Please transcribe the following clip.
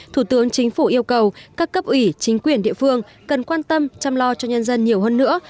thủ tướng chính phủ yêu cầu các cấp ủy chính quyền địa phương cần quan tâm chăm lo cho nhân dân nhiều hơn nữa